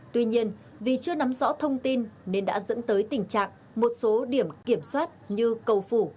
tuy nhiên vì chưa nắm rõ thông tin nên đã dẫn tới tình trạng một số điểm kiểm soát như cầu phủ